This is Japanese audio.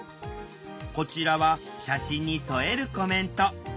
こちらは写真に添えるコメント。